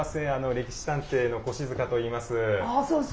「歴史探偵」の越塚といいます。